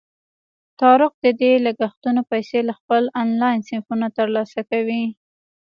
طارق د دې لګښتونو پیسې له خپلو آنلاین صنفونو ترلاسه کوي.